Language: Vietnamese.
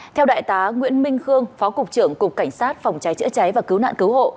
theo đại tá nguyễn minh khương phó cục trưởng cục cảnh sát phòng cháy chữa cháy và cứu nạn cứu hộ